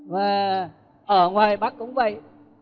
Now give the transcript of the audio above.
và ở ngoài bắc cũng vậy